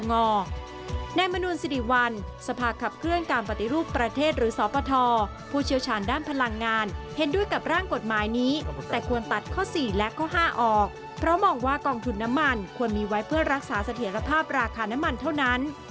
นายมนุนสิริวัลสภาขับเคลื่อนการปฏิรูปประเทศหรือสปทผู้เชี่ยวชาญด้านพลังงานเห็นด้วยกับร่างกฎหมายนี้แต่ควรตัดข้อ๔และข้อ๕ออกเพราะมองว่ากองทุนน้ำมันควรมีไว้เพื่อรักษาเสถียรภาพราคาน้ำมันเท่านั้น